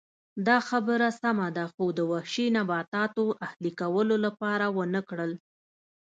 دا خبره سمه ده خو د وحشي نباتاتو اهلي کولو لپاره ونه کړل